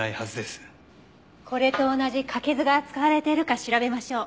これと同じ柿酢が使われているか調べましょう。